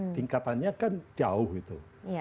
tingkatannya kan jauh itu